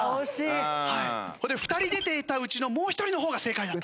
それで２人出ていたうちのもう一人の方が正解だった。